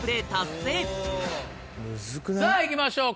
さぁ行きましょう。